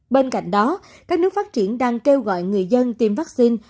bên cạnh đó các nước phát triển đang kêu gọi người dân tiêm vaccine